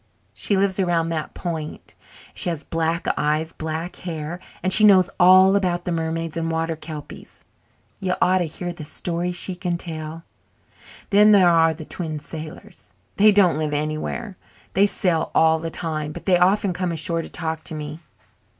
She lives around that point and she has black eyes and black hair and she knows all about the mermaids and water kelpies. You ought to hear the stories she can tell. Then there are the Twin Sailors. They don't live anywhere they sail all the time, but they often come ashore to talk to me.